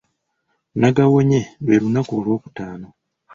Nagawonye lwe lunaku olwokutaano.